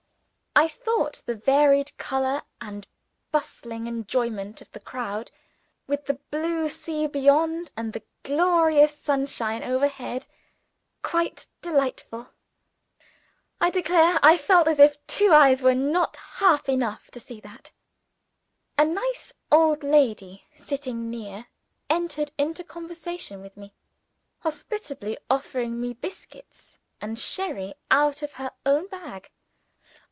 I thought the varied color and bustling enjoyment of the crowd, with the bright blue sea beyond, and the glorious sunshine overhead, quite delightful I declare I felt as if two eyes were not half enough to see with! A nice old lady, sitting near, entered into conversation with me; hospitably offering me biscuits and sherry out of her own bag.